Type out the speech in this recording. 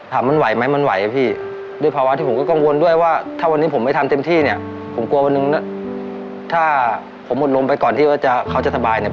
ถามมันไหวไหมมันไหวนะพี่